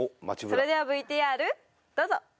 それではＶＴＲどうぞ！